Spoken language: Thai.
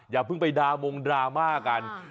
อย่าเพิ่งไปดามงดราม่ากัน